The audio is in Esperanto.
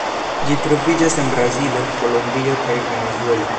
Ĝi troviĝas en Brazilo, Kolombio kaj Venezuelo.